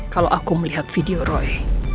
kalau aku melihat video roy